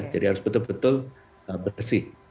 jadi harus betul betul bersih